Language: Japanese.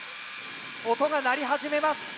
音が鳴り始めます。